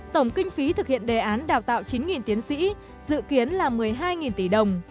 tổng kinh phí thực hiện đề án đào tạo chín tiến sĩ dự kiến là một mươi hai tỷ đồng